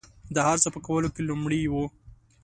د هر څه په کولو کې لومړي وي.